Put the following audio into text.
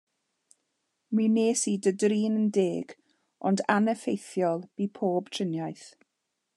Mi wnes i dy drin yn deg, ond aneffeithiol fu pob triniaeth.